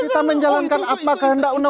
kita menjalankan apa kehendak undang undang